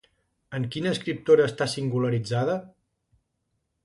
En quina escriptora està singularitzada?